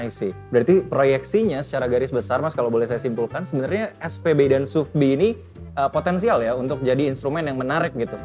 berarti proyeksinya secara garis besar mas kalau boleh saya simpulkan sebenarnya spb dan sufbi ini potensial ya untuk jadi instrumen yang menarik gitu